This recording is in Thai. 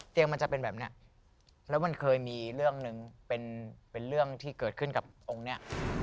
มันจะเป็นแบบนี้แล้วมันเคยมีเรื่องหนึ่งเป็นเรื่องที่เกิดขึ้นกับองค์เนี่ย